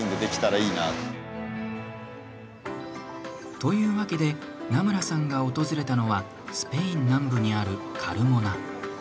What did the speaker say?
というわけで南村さんが訪れたのはスペイン南部にあるカルモナ。